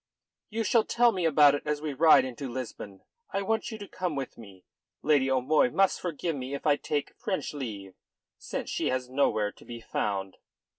"You shall tell me about it as we ride into Lisbon. I want you to come with me. Lady O'Moy must forgive me if I take French leave, since she is nowhere to be found."